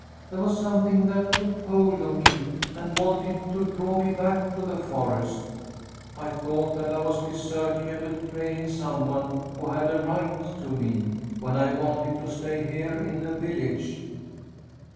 There was something that took hold of me and wanted to draw me back to the forest. I thought that I was deserting and betraying some one who had a right to me, when I wanted to stay here in the village."